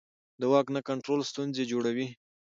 د واک نه کنټرول ستونزې جوړوي